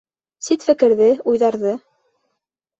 Сит фекерҙе, уйҙарҙы.